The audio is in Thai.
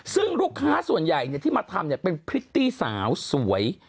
ซึ่งลูกค้าส่วนใหญ่ที่มาทำเป็นพริตตี้สาวสวย